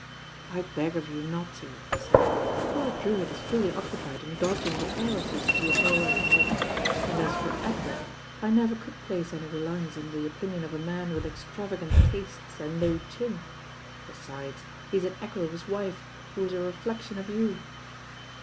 "I beg of you not to," he said. "Poor Drewitt is fully occupied in dodging the heiresses you hurl at his head, and as for Edward, I never could place any reliance in the opinion of a man with extrava gant tastes and no chin. Besides, he is an echo of his wife, who is a reflection of you."